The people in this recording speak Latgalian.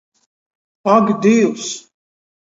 Ak Dīvs!